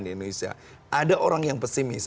di indonesia ada orang yang pesimis